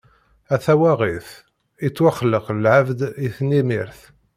A tawaɣit, ittwaxleq lɛebd i tnimirt.